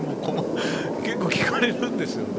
結構、聞かれるんですよね